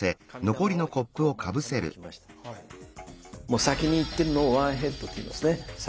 もう先に行ってるのをワン・アヘッドと言いますね。